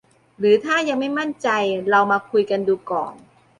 หรือถ้ายังไม่มั่นใจ เรามาคุยกันดูก่อน